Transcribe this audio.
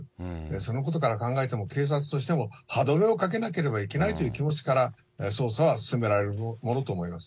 そのことから考えても、警察としても歯止めをかけなければいけないという気持ちから、捜査は進められるものと思います。